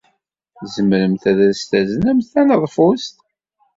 Tzemremt ad as-taznemt taneḍfust?